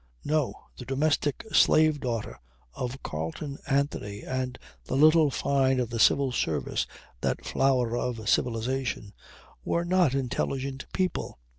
No! The domestic slave daughter of Carleon Anthony and the little Fyne of the Civil Service (that flower of civilization) were not intelligent people.